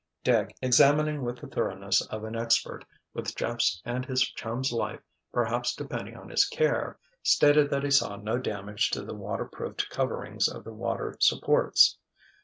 Dick, examining with the thoroughness of an expert, with Jeff's and his chum's life perhaps depending on his care, stated that he saw no damage to the waterproofed coverings of the water supports.